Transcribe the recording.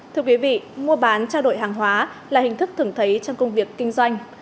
thưa quý vị mua bán trao đổi hàng hóa là hình thức thường thấy trong công việc kinh doanh